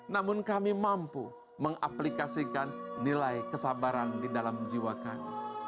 namun kami mampu mengaplikasikan nilai kesabaran di dalam jiwa kami